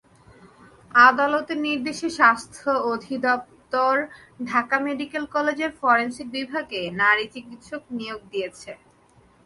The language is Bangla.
আদালতের নির্দেশে স্বাস্থ্য অধিদপ্তর ঢাকা মেডিকেল কলেজের ফরেনসিক বিভাগে নারী চিকিৎসক নিয়োগ দিয়েছে।